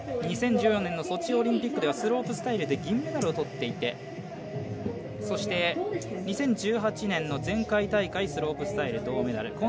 ２０１４年のソチオリンピックではスロープスタイルで銀メダルを取っていてそして、２０１８年の前回大会スロープスタイル銅メダル。